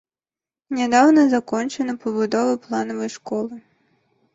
А нядаўна закончана пабудова планавай школы.